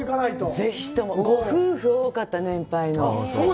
ぜひとも、ご夫婦多かった、年配の。